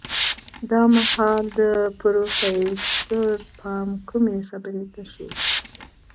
دا مهال د پروفيسر پام کومې خبرې ته شو.